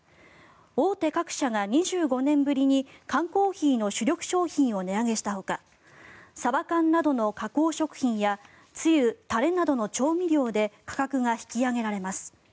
大手各社が２５年ぶりに缶コーヒーの主力商品を値上げしたほかサバ缶などの加工食品やつゆ、タレなどの調味料で価格が引き上げられます。